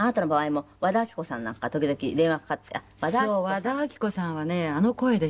和田アキ子さんはねあの声でしょ。